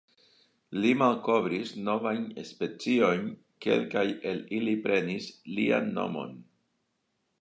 Li malkovris novajn speciojn, kelkaj el ili prenis lian nomon.